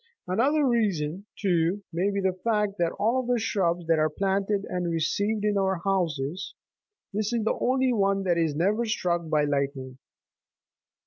Another reason, too, may be the fact, that of all the shrubs that are planted and received in our houses, this is the only one that is never struck by lightning.